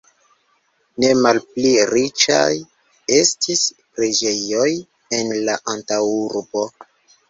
Ne malpli riĉaj estis preĝejoj en la antaŭurbo.